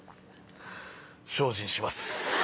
精進します。